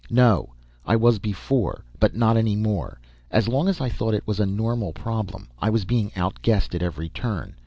"No. I was before but not any more. As long as I thought it was a normal problem I was being outguessed at every turn.